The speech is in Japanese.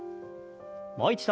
もう一度。